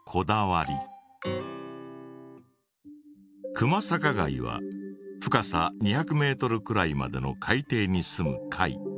クマサカガイは深さ２００ｍくらいまでの海底に住む貝。